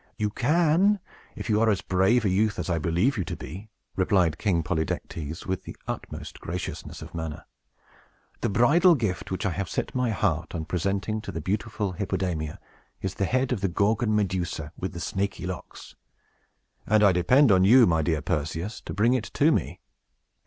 "You can, if you are as brave a youth as I believe you to be," replied King Polydectes, with the utmost graciousness of manner. "The bridal gift which I have set my heart on presenting to the beautiful Hippodamia is the head of the Gorgon Medusa with the snaky locks; and I depend on you, my dear Perseus, to bring it to me.